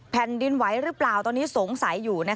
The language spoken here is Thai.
แผ่นดินไหวหรือเปล่าตอนนี้สงสัยอยู่